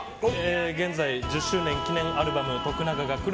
現在１０周年記念アルバム「徳永がくる」